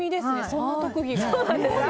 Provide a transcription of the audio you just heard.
そんな特技が。